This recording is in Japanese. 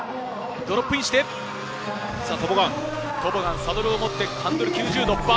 ドロップインして、トボガン、サドルをもってハンドルを９０度。